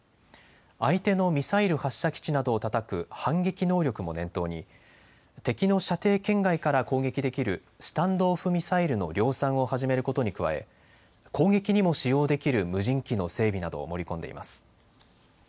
相手のミサイル発射基地などをたたく反撃能力も念頭に敵の射程圏外から攻撃できるスタンド・オフ・ミサイルの量産を始めることに加え攻撃にも使用できる無人機の整備などを盛り込んでいます。